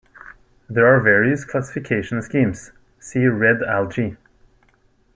There are various classification schemes; see Red algae.